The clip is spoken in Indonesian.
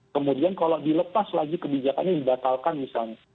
kemudian kalau dilepas lagi kebijakannya dibatalkan misalnya